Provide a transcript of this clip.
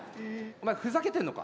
お前ふざけてんのか？